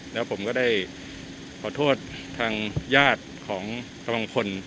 แล้วผมก็ได้ขอโทษทางญาติของกำลังพล